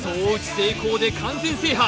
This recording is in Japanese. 成功で完全制覇！